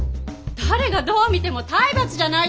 誰がどう見ても体罰じゃないですか！